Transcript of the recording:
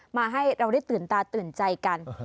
ให้เราได้ตื่นตาตื่นใจกัน